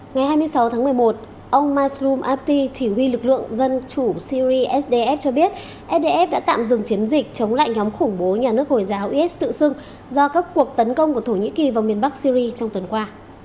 ngày hai mươi sáu tháng một mươi một ông masum apti chỉ huy lực lượng dân chủ syri sdf cho biết sdf đã tạm dừng chiến dịch chống lại nhóm khủng bố nhà nước hồi giáo is tự xưng do các cuộc tấn công của thổ nhĩ kỳ vào miền bắc syri trong tuần qua